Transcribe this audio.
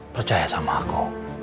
percaya sama aku